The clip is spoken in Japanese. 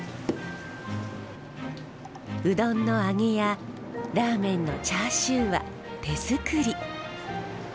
うどんの揚げやラーメンのチャーシューは手作り。